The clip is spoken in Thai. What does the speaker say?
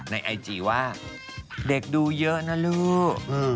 ไอจีว่าเด็กดูเยอะนะลูก